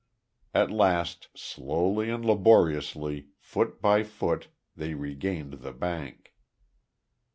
At last slowly and laboriously, foot by foot, they regained the bank.